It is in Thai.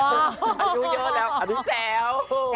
อายุเยอะแล้วอันนี้แซว